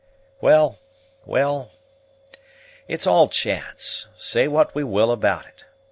"Well, well, it's all chance, say what we will about it.